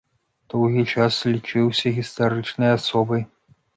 Доўгі час лічыўся гістарычнай асобай.